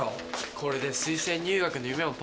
これで推薦入学の夢もパーだよ。